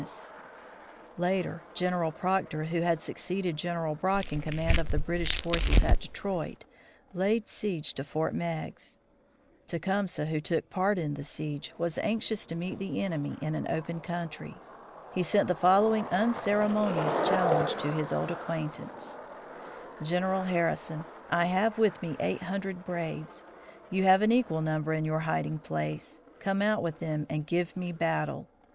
[Illustration: ONE OF THE "LONG KNIVES"] Later, General Proctor, who had succeeded General Brock in command of the British forces at Detroit, laid siege to Fort Meigs. Tecumseh, who took part in the siege, was anxious to meet the enemy in open country. He sent the following unceremonious challenge to his old acquaintance: "General Harrison: I have with me eight hundred braves. You have an equal number in your hiding place. Come out with them and give me battle.